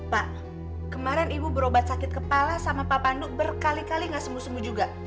pak kemarin ibu berobat sakit kepala sama pak pandu berkali kali gak sembuh sembuh juga